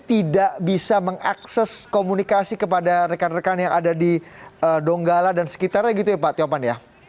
tidak bisa mengakses komunikasi kepada rekan rekan yang ada di donggala dan sekitarnya gitu ya pak tiopan ya